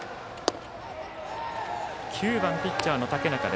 ９番、ピッチャーの竹中。